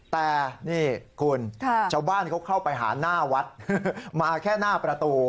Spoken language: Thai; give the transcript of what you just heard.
แต่นี่คุณชาวบ้านเขาเข้าไปหาหน้าวัดมาแค่หน้าประตู